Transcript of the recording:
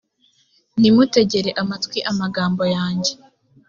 nimutegere amatwi amagambo yanjye